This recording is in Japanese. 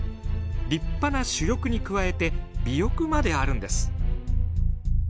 立派な主翼に加えて尾翼まであるんです。